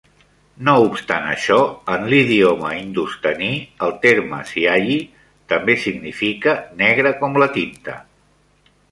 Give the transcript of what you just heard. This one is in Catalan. No obstant això, en l'idioma indostaní, el terme "syahi" també significa "negre com la tinta".